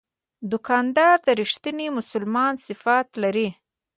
دوکاندار د رښتیني مسلمان صفات لري.